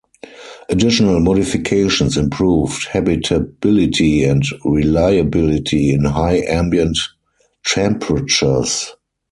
Additional modifications improved habitability and reliability in high ambient temperatures.